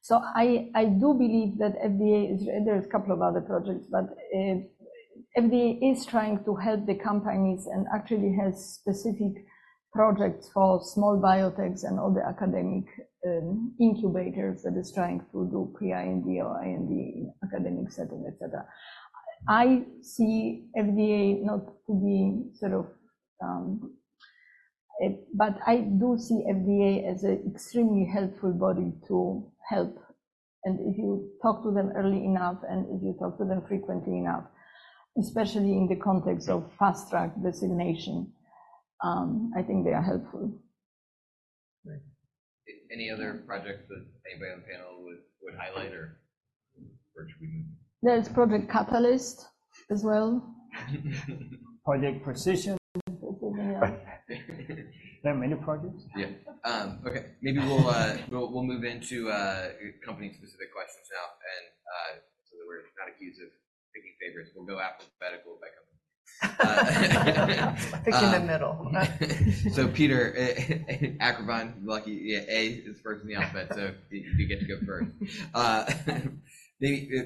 So I do believe that FDA is—there is a couple of other projects, but FDA is trying to help the companies and actually has specific projects for small biotechs and all the academic incubators that is trying to do pre-IND or IND in academic setting, etc. I see FDA not to be sort of. But I do see FDA as an extremely helpful body to help. And if you talk to them early enough, and if you talk to them frequently enough, especially in the context of Fast Track designation, I think they are helpful. Great. Any other projects that anybody on the panel would highlight or? There is Project Catalyst as well. Project Precision. Yeah. There are many projects. Yeah. Okay. Maybe we'll move into company-specific questions now, and so that we're not accused of picking favorites. We'll go alphabetical by company. I think in the middle. So, Peter, Acrivon, it starts me off, but so you get to go first.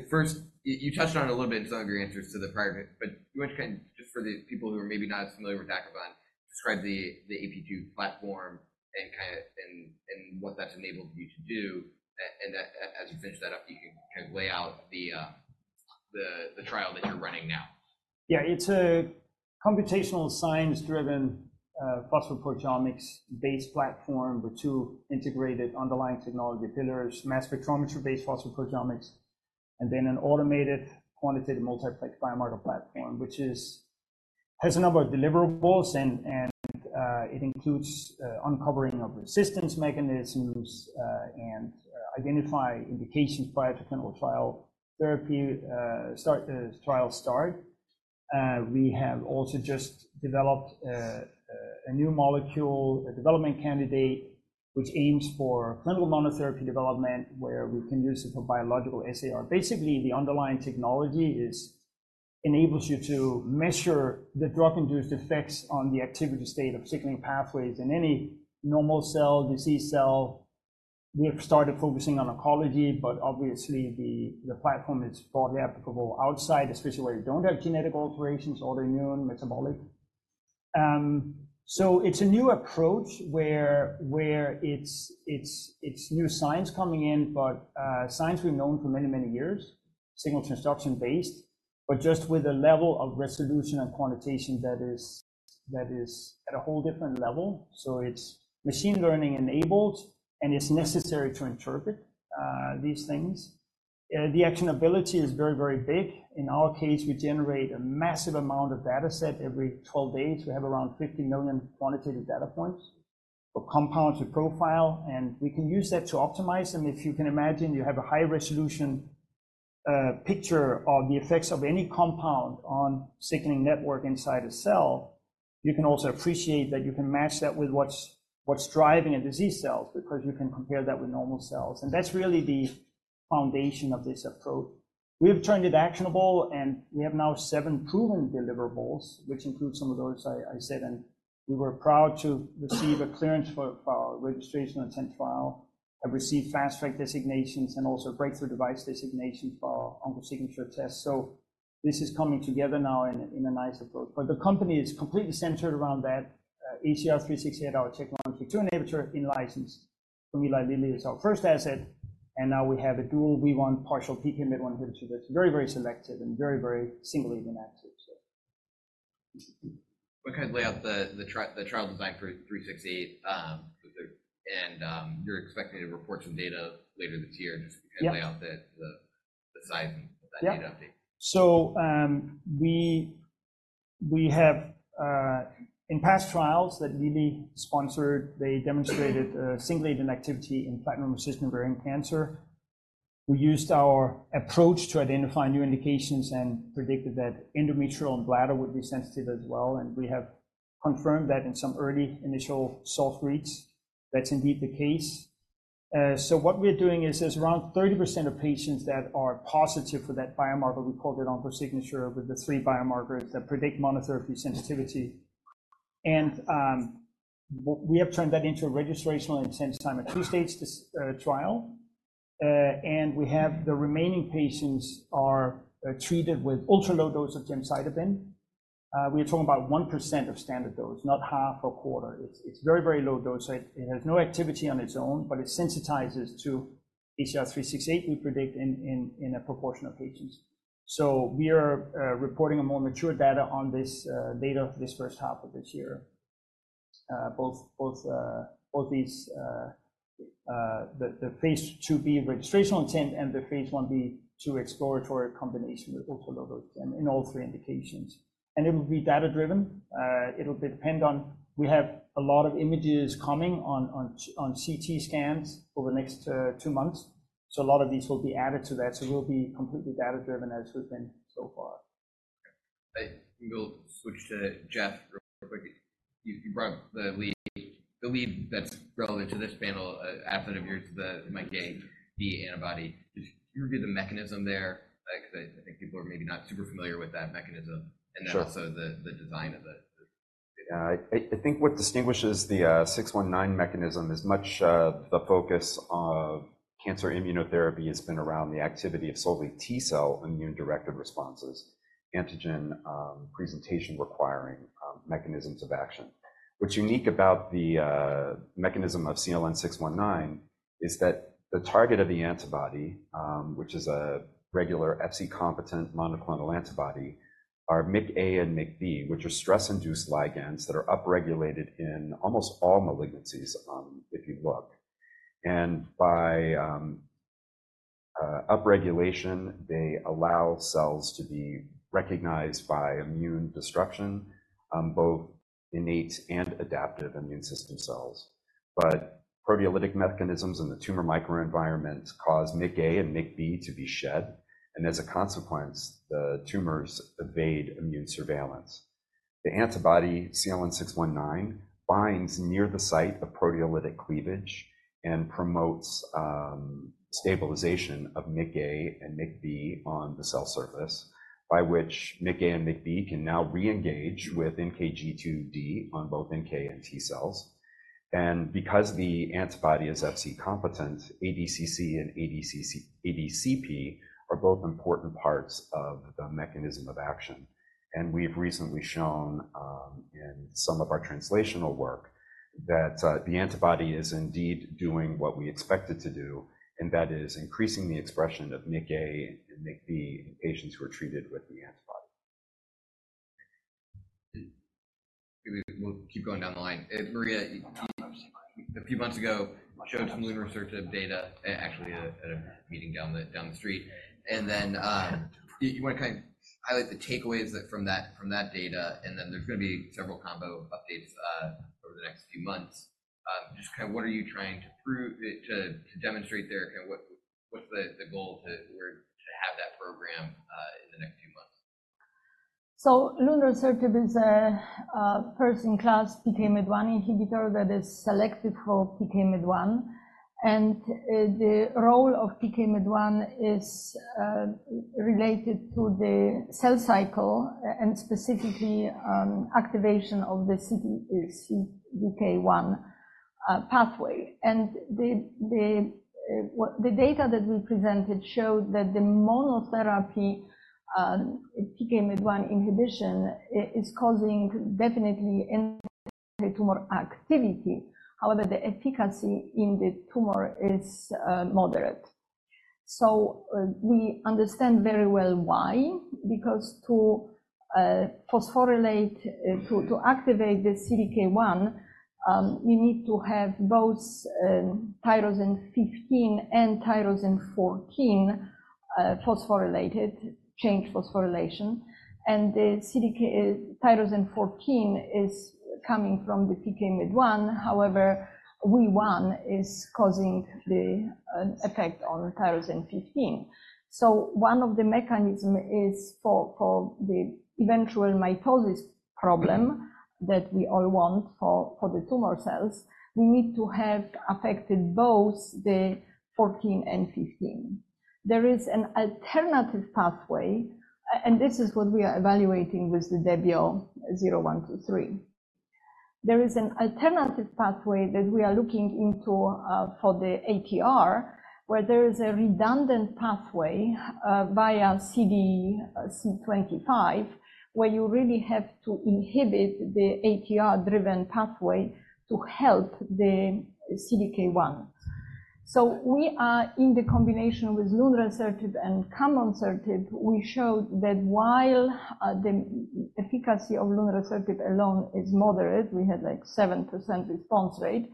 First, you touched on it a little bit in some of your answers to the prior, but you want to kind of just for the people who are maybe not as familiar with Acrivon, describe the AP3 platform and kind of and what that's enabled you to do. And, as you finish that up, you can kind of lay out the trial that you're running now. Yeah, it's a computational science-driven, phosphoproteomics-based platform with two integrated underlying technology pillars, mass spectrometry-based phosphoproteomics, and then an automated, quantitative, multiplex biomarker platform, which has a number of deliverables and it includes uncovering of resistance mechanisms, and identify indications prior to clinical trial therapy start, trial start. We have also just developed a new molecule, a development candidate, which aims for clinical monotherapy development, where we can use it for biological assay. Or basically, the underlying technology enables you to measure the drug-induced effects on the activity state of signaling pathways in any normal cell, disease cell. We have started focusing on oncology, but obviously the platform is broadly applicable outside, especially where you don't have genetic alterations, autoimmune, metabolic. So it's a new approach where it's new science coming in, but science we've known for many, many years, signal transduction-based, but just with a level of resolution and quantitation that is at a whole different level. So it's machine learning enabled, and it's necessary to interpret these things. The actionability is very, very big. In our case, we generate a massive amount of data set every 12 days. We have around 50 million quantitative data points for compounds to profile, and we can use that to optimize them. If you can imagine, you have a high-resolution picture of the effects of any compound on signaling network inside a cell. You can also appreciate that you can match that with what's driving a disease cell, because you can compare that with normal cells, and that's really the foundation of this approach. We've turned it actionable, and we have now seven proven deliverables, which include some of those I said, and we were proud to receive a clearance for registrational intent trial, have received Fast Track designations, and also Breakthrough Device designations for our OncoSignature Test. This is coming together now in a nice approach. But the company is completely centered around that ACR-368, our checkpoint two inhibitor in license from Eli Lilly, is our first asset, and now we have a dual WEE1 partial PKMYT1 inhibitor that's very, very selective and very, very single agent active, so. What kind of lay out the trial design for 368, and you're expecting to report some data later this year. Yeah. Just kind of lay out the size of that data update. Yeah. So, we have in past trials that Lilly sponsored, they demonstrated single agent activity in platinum-resistant ovarian cancer. We used our approach to identify new indications and predicted that endometrial and bladder would be sensitive as well, and we have confirmed that in some early initial soft reads, that's indeed the case. So what we're doing is there's around 30% of patients that are positive for that biomarker. We called it OncoSignature with the three biomarkers that predict monotherapy sensitivity. And we have turned that into a registrational intent this time, a two-stage trial. And we have the remaining patients are treated with ultra-low dose of gemcitabine. We are talking about 1% of standard dose, not half or quarter. It's very, very low dose, so it has no activity on its own, but it sensitizes to ACR-368, we predict in a proportion of patients. So we are reporting more mature data on this data for this first half of this year. Both the Phase IIb registrational intent and the Phase Ib/2 exploratory combination with ultra-low dose and in all three indications. And it will be data-driven. It'll depend on. We have a lot of images coming on CT scans over the next two months, so a lot of these will be added to that. So we'll be completely data-driven as we've been so far. I will switch to Jeff real quickly. You, you brought the lead, the lead that's relevant to this panel, asset of yours, the MICA, the antibody. Just can you review the mechanism there? Because I, I think people are maybe not super familiar with that mechanism- Sure. and also the design of it. I think what distinguishes the 619 mechanism is much the focus of cancer immunotherapy has been around the activity of solely T cell immune-directed responses, antigen presentation requiring mechanisms of action. What's unique about the mechanism of CLN-619 is that the target of the antibody, which is a regular Fc-competent monoclonal antibody, are MICA and MICB, which are stress-induced ligands that are upregulated in almost all malignancies, if you look. And by upregulation, they allow cells to be recognized by immune destruction, both innate and adaptive immune system cells. But proteolytic mechanisms in the tumor microenvironment cause MICA and MICB to be shed, and as a consequence, the tumors evade immune surveillance. The antibody, CLN-619, binds near the site of proteolytic cleavage and promotes stabilization of MICA and MICB on the cell surface, by which MICA and MICB can now reengage with NKG2D on both NK and T cells. And because the antibody is Fc-competent, ADCC and ADCP are both important parts of the mechanism of action, and we've recently shown in some of our translational work that the antibody is indeed doing what we expect it to do, and that is increasing the expression of MICA and MICB in patients who are treated with the antibody. We'll keep going down the line. Maria, a few months ago, you showed some lunresertib data, actually at a meeting down the street. And then, do you want to kind of highlight the takeaways from that data? And then there's going to be several combo updates over the next few months. Just kind of what are you trying to prove to demonstrate there, and what's the goal to have that program in the next few months? Lunresertib is a first-in-class PKMYT1 inhibitor that is selective for PKMYT1, and the role of PKMYT1 is related to the cell cycle and specifically activation of the CDK1 pathway. The data that we presented showed that the monotherapy PKMYT1 inhibition is causing definite tumor activity. However, the efficacy in the tumor is moderate. So, we understand very well why, because to phosphorylate to activate the CDK1 you need to have both tyrosine 15 and tyrosine 14 phosphorylated, change phosphorylation, and the CDK tyrosine 14 is coming from the PKMYT1. However, WEE1 is causing the effect on tyrosine 15. So one of the mechanism is for, for the eventual mitosis problem that we all want for, for the tumor cells, we need to have affected both the 14 and 15. There is an alternative pathway, and this is what we are evaluating with the Debio 0123. There is an alternative pathway that we are looking into for the ATR, where there is a redundant pathway via CDC25, where you really have to inhibit the ATR-driven pathway to help the CDK1. So we are, in the combination with lunresertib and camonsertib, we showed that while the efficacy of lunresertib alone is moderate, we had like 7% response rate.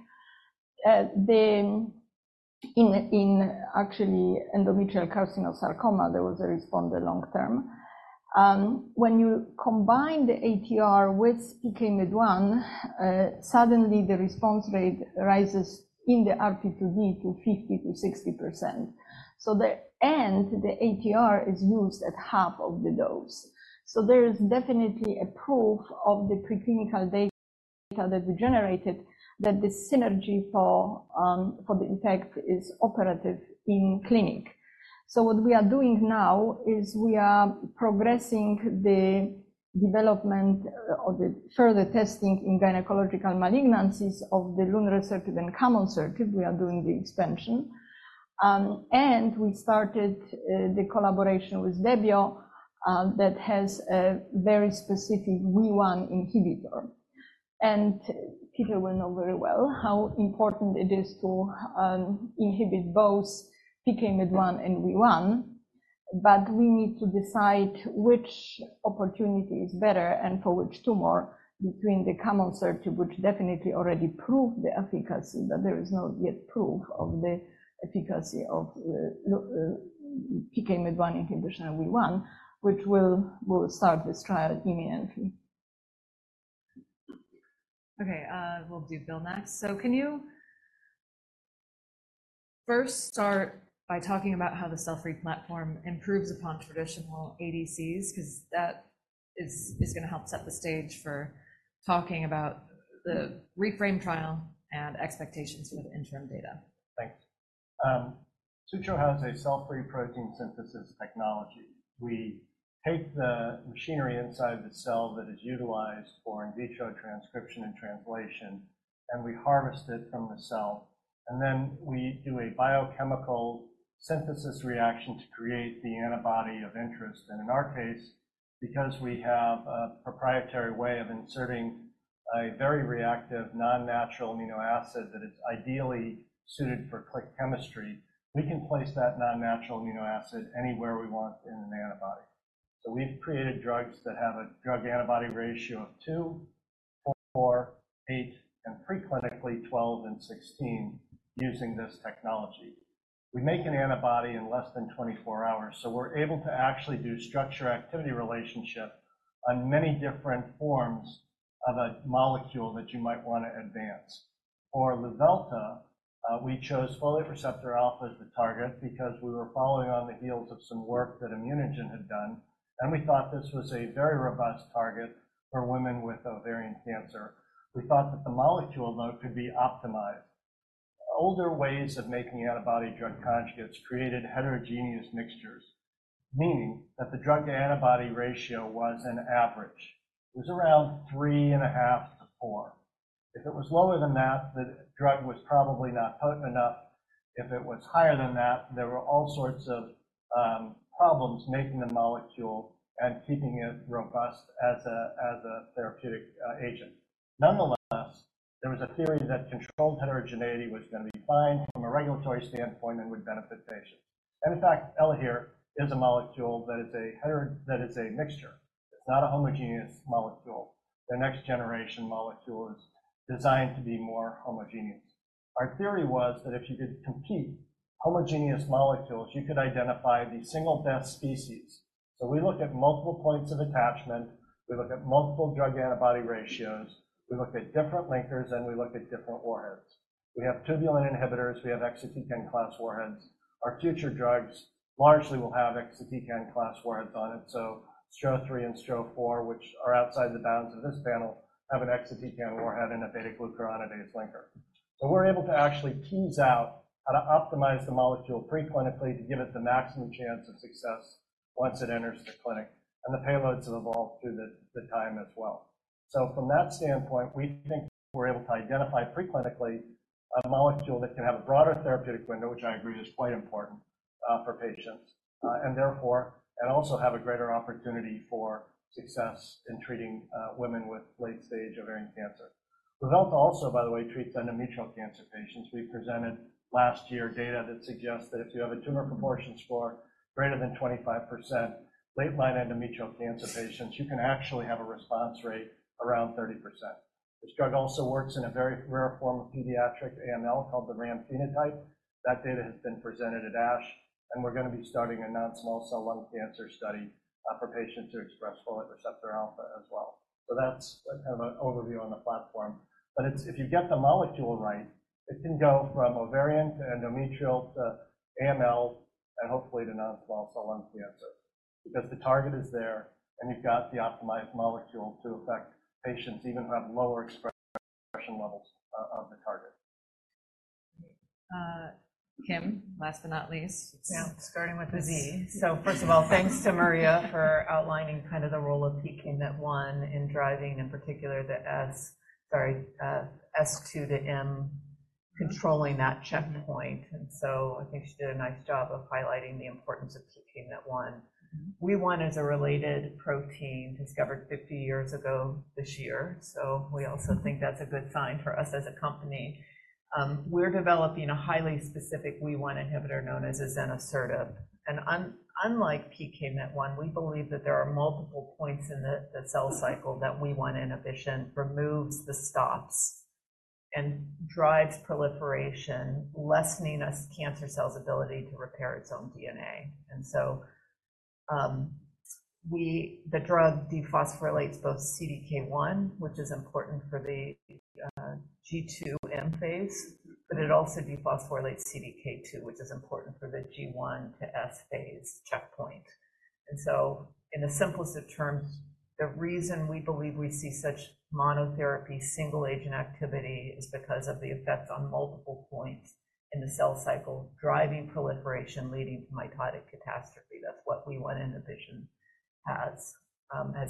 In actually endometrial carcinosarcoma, there was a responder long term. When you combine the ATR with PKMYT1, suddenly the response rate rises in the RP2D to 50%-60%. So the and the ATR is used at half of the dose. So there is definitely a proof of the preclinical data that we generated, that the synergy for the impact is operative in clinic. So what we are doing now is we are progressing the development or the further testing in gynecological malignancies of the lunresertib and camonsertib. We are doing the expansion. And we started the collaboration with Debiopharm that has a very specific WEE1 inhibitor. And people will know very well how important it is to inhibit both PKMYT1 and WEE1, but we need to decide which opportunity is better and for which tumor between the camonsertib, which definitely already proved the efficacy, but there is no yet proof of the efficacy of PKMYT1 inhibition and WEE1, which we'll start this trial immediately. Okay, we'll do Bill next. So can you first start by talking about how the cell-free platform improves upon traditional ADCs? Because that is going to help set the stage for talking about the ReFRaME trial and expectations for the interim data. Thanks. Sutro has a cell-free protein synthesis technology. We take the machinery inside the cell that is utilized for in vitro transcription and translation, and we harvest it from the cell, and then we do a biochemical synthesis reaction to create the antibody of interest. And in our case, because we have a proprietary way of inserting a very reactive, non-natural amino acid that is ideally suited for click chemistry, we can place that non-natural amino acid anywhere we want in an antibody. So we've created drugs that have a drug antibody ratio of 2, 4, 8, and pre-clinically, 12 and 16 using this technology. We make an antibody in less than 24 hours, so we're able to actually do structure-activity relationship on many different forms of a molecule that you might want to advance. For Luvelta, we chose folate receptor alpha as the target because we were following on the heels of some work that ImmunoGen had done, and we thought this was a very robust target for women with ovarian cancer. We thought that the molecule, though, could be optimized. Older ways of making antibody drug conjugates created heterogeneous mixtures, meaning that the drug to antibody ratio was an average. It was around 3.5-4. If it was lower than that, the drug was probably not potent enough. If it was higher than that, there were all sorts of problems making the molecule and keeping it robust as a, as a therapeutic agent. Nonetheless, there was a theory that controlled heterogeneity was going to be fine from a regulatory standpoint and would benefit patients. In fact, Elahere is a molecule that is a hetero- that is a mixture. It's not a homogeneous molecule. The next generation molecule is designed to be more homogeneous. Our theory was that if you could compete homogeneous molecules, you could identify the single best species. So we looked at multiple points of attachment, we looked at multiple drug antibody ratios, we looked at different linkers, and we looked at different warheads. We have tubulin inhibitors, we have exatecan class warheads. Our future drugs largely will have exatecan class warheads on it. So STRO-003 and STRO-004, which are outside the bounds of this panel, have an exatecan warhead and a beta-glucuronidase linker. So we're able to actually tease out how to optimize the molecule pre-clinically to give it the maximum chance of success once it enters the clinic, and the payloads have evolved through the time as well. So from that standpoint, we think we're able to identify pre-clinically a molecule that can have a broader therapeutic window, which I agree is quite important for patients, and therefore... And also have a greater opportunity for success in treating women with late-stage ovarian cancer. Luvelta also, by the way, treats endometrial cancer patients. We presented last year data that suggests that if you have a tumor proportion score greater than 25%, late-line endometrial cancer patients, you can actually have a response rate around 30%. This drug also works in a very rare form of pediatric AML called the RAM phenotype. That data has been presented at ASH, and we're going to be starting a non-small cell lung cancer study for patients who express folate receptor alpha as well. So that's kind of an overview on the platform, but it's if you get the molecule right, it can go from ovarian to endometrial, to AML, and hopefully to non-small cell lung cancer, because the target is there, and you've got the optimized molecule to affect patients even who have lower expression levels of the target.... Kim, last but not least. Yeah, starting with a Z. So first of all, thanks to Maria for outlining kind of the role of PKMYT1 in driving, in particular, the S to M, controlling that checkpoint. And so I think she did a nice job of highlighting the importance of PKMYT1. WEE1 is a related protein discovered 50 years ago this year, so we also think that's a good sign for us as a company. We're developing a highly specific WEE1 inhibitor known as azenosertib. And unlike PKMYT1, we believe that there are multiple points in the cell cycle that WEE1 inhibition removes the stops and drives proliferation, lessening those cancer cells' ability to repair its own DNA. And so, the drug dephosphorylates both CDK1, which is important for the G2/M phase, but it also dephosphorylates CDK2, which is important for the G1 to S phase checkpoint. And so in the simplest of terms, the reason we believe we see such monotherapy single agent activity is because of the effects on multiple points in the cell cycle, driving proliferation, leading to mitotic catastrophe. That's what WEE1 inhibition has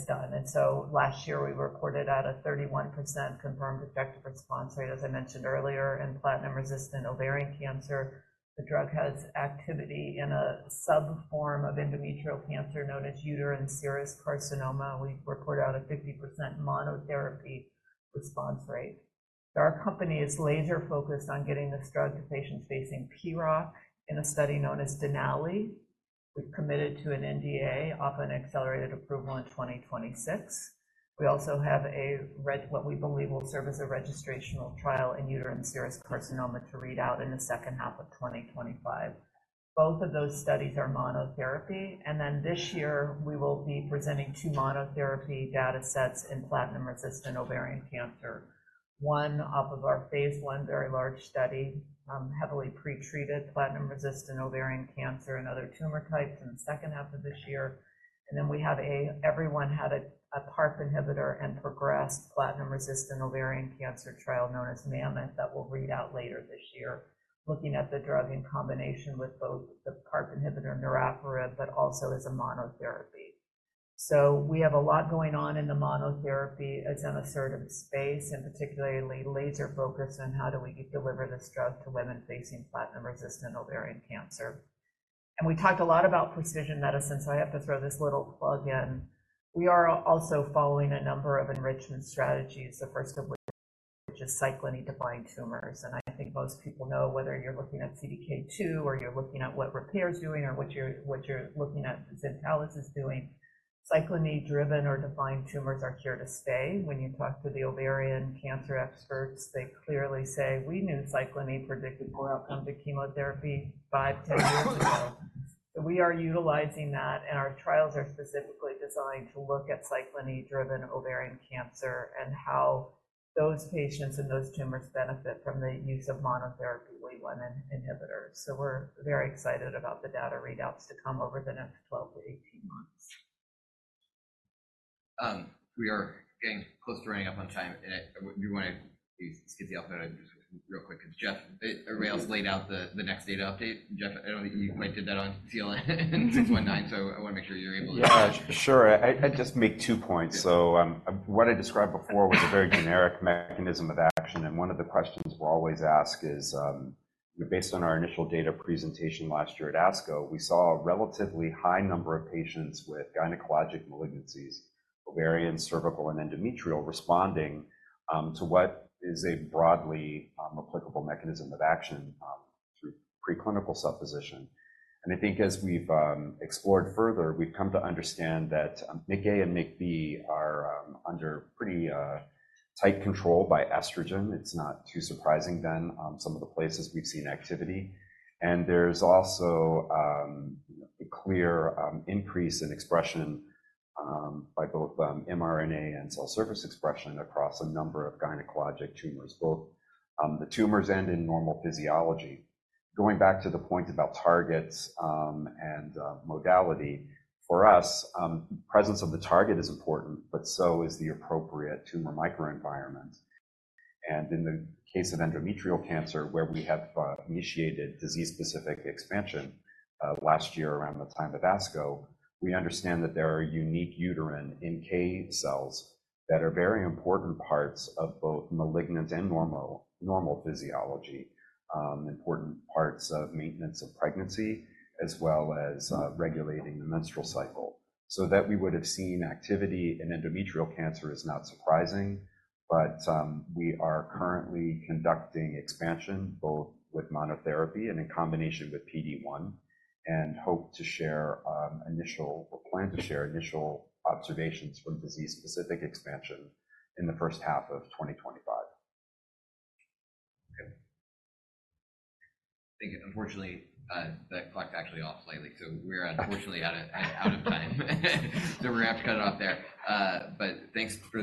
done. And so last year, we reported a 31% confirmed objective response rate. As I mentioned earlier, in platinum-resistant ovarian cancer, the drug has activity in a subset of endometrial cancer known as uterine serous carcinoma. We've reported a 50% monotherapy response rate. So our company is laser-focused on getting this drug to patients facing PRO in a study known as DENALI. We've committed to an NDA off an accelerated approval in 2026. We also have what we believe will serve as a registrational trial in uterine serous carcinoma to read out in the second half of 2025. Both of those studies are monotherapy, and then this year, we will be presenting two monotherapy datasets in platinum-resistant ovarian cancer. One off of our Phase I, very large study, heavily pretreated, platinum-resistant ovarian cancer and other tumor types in the second half of this year. And then we have everyone had a PARP inhibitor and progressed platinum-resistant ovarian cancer trial known as MAMMOTH, that will read out later this year. Looking at the drug in combination with both the PARP inhibitor, niraparib, but also as a monotherapy. We have a lot going on in the monotherapy azenosertib space, and particularly laser-focused on how do we deliver this drug to women facing platinum-resistant ovarian cancer. We talked a lot about precision medicine, so I have to throw this little plug in. We are also following a number of enrichment strategies, the first of which is cyclin E-defined tumors. I think most people know, whether you're looking at CDK2, or you're looking at what Repare is doing, or what you're looking at Zentalis is doing, cyclin E-driven or defined tumors are here to stay. When you talk to the ovarian cancer experts, they clearly say, "We knew cyclin E predicted poor outcomes of chemotherapy five, 10 years ago." We are utilizing that, and our trials are specifically designed to look at cyclin E-driven ovarian cancer and how those patients and those tumors benefit from the use of monotherapy WEE1 inhibitor. So we're very excited about the data readouts to come over the next 12-18 months. We are getting close to running up on time, and we wanna get the opportunity just real quick. Jeff, everybody else laid out the next data update. Jeff, I don't think you quite did that on CLN-619, so I wanna make sure you're able to. Yeah, sure. I just make two points. So, what I described before was a very generic mechanism of action, and one of the questions we're always asked is, based on our initial data presentation last year at ASCO, we saw a relatively high number of patients with gynecologic malignancies, ovarian, cervical, and endometrial, responding to what is a broadly applicable mechanism of action through preclinical supposition. And I think as we've explored further, we've come to understand that MICA and MICB are under pretty tight control by estrogen. It's not too surprising then, some of the places we've seen activity. And there's also a clear increase in expression by both mRNA and cell surface expression across a number of gynecologic tumors, both the tumors end in normal physiology. Going back to the point about targets, and modality, for us, presence of the target is important, but so is the appropriate tumor microenvironment. In the case of endometrial cancer, where we have initiated disease-specific expansion last year around the time of ASCO, we understand that there are unique uterine NK cells that are very important parts of both malignant and normal physiology, important parts of maintenance of pregnancy, as well as regulating the menstrual cycle. So that we would have seen activity in endometrial cancer is not surprising, but we are currently conducting expansion, both with monotherapy and in combination with PD-1, and hope to share initial or plan to share initial observations from disease-specific expansion in the first half of 2025. Okay. Thank you. Unfortunately, the clock actually off slightly, so we're unfortunately out of time. So we have to cut it off there, but thanks for the-